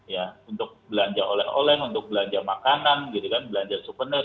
ya untuk belanja oleh oleh untuk belanja makanan gitu kan belanja souvenir